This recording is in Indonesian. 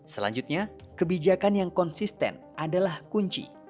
selanjutnya kebijakan yang konsisten adalah kunci